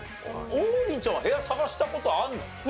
王林ちゃんは部屋探した事あるの？